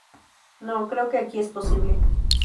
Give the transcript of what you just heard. No creo que aquí es posible".